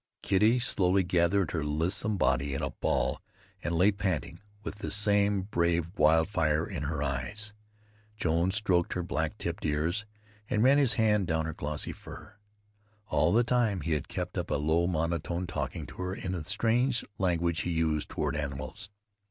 Kitty slowly gathered her lissom body in a ball and lay panting, with the same brave wildfire in her eyes. Jones stroked her black tipped ears and ran his hand down her glossy fur. All the time he had kept up a low monotone, talking to her in the strange language he used toward animals.